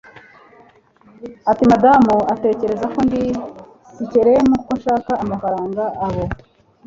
ati madamu atekereza ko ndi skelm? ko nshaka amafaranga? abo